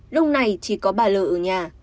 lúc này chỉ có bà l ở nhà